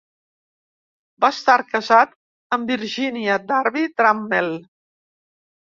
Va estar casat amb Virginia Darby Trammell.